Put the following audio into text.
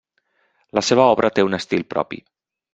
La seva obra té un estil propi.